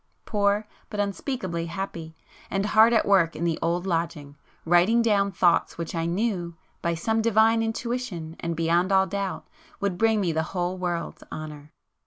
Poor,—but unspeakably happy,—and hard at work in the old lodging, writing down thoughts which I knew, by some divine intuition and beyond all doubt, would bring me the whole world's honour.